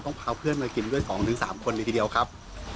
พาเพื่อนมากินด้วย๒๓คนเลยทีเดียวครับ